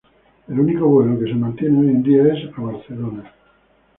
El único vuelo que se mantiene hoy en día es a Barcelona.